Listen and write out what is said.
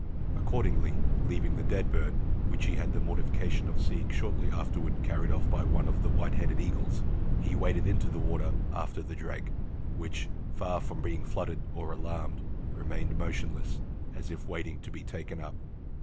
Accordingly, leaving the dead bird, which he had the mortification of seeing shortly afterward carried off by one of the white headed Eagles, he waded into the water after the drake, which, far from being fluttered or alarmed, remained motionless, as if waiting to be taken up.